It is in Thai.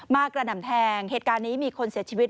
กระหน่ำแทงเหตุการณ์นี้มีคนเสียชีวิต